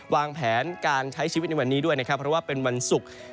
วางแผนการใช้ชีวิตในวันนี้ด้วยนะครับเพราะว่าเป็นวันศุกร์